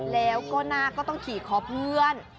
แล้วก็หน้าก็ต้องขี่คอเพื่อน